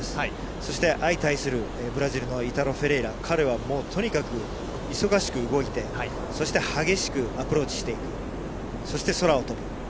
そして、相対するブラジルのイタロ・フェレイラ、彼はもう、とにかく忙しく動いて、そして激しくアプローチしていく、そして空を飛ぶ。